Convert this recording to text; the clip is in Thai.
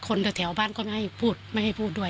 คนที่แถวบ้านก็ไม่ให้พูดด้วย